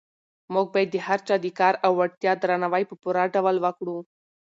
موږ باید د هر چا د کار او وړتیا درناوی په پوره ډول وکړو.